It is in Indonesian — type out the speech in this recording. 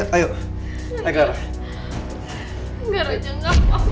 kamu jangan pergi raja di sini aja kamu